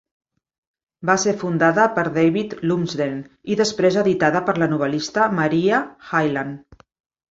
Va ser fundada per David Lumsden i després editada per la novel·lista Maria Hyland.